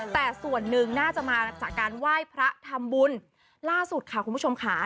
แต่ส่วนหนึ่งน่าจะมาจากการไหว้พระทำบุญล่าสุดค่ะคุณผู้ชมค่ะ